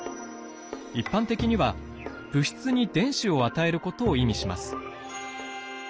一般的には物質に電子を与えることを意味します。